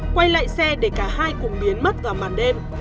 quay lại xe để cả hai cùng biến mất vào màn đêm